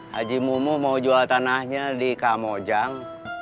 haji mumu mau jual tanahnya di kamojang